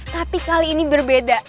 tapi kali ini berbeda